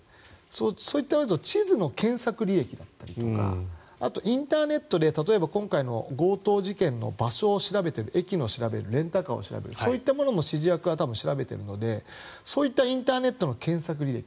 そういった地図の検索履歴だったりとかあと、インターネットで例えば今回の強盗事件の場所を調べる駅を調べる、レンタカーを調べるそういったものも指示役が調べているのでそういったインターネットの検索履歴。